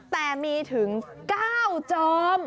แต่มีถึง๙จอม